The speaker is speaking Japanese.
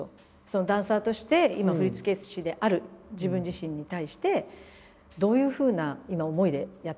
ダンサーとして今振付師である自分自身に対してどういうふうな今思いでやって？